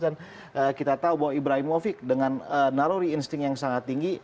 dan kita tahu bahwa ibrahimovic dengan naruri insting yang sangat tinggi